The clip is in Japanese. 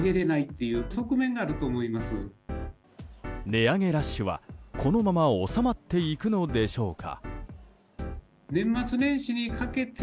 値上げラッシュはこのまま収まっていくのでしょうか？